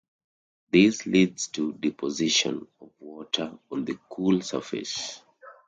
This leads to deposition of water on the cool surface.